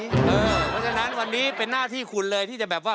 เพราะฉะนั้นวันนี้เป็นหน้าที่คุณเลยที่จะแบบว่า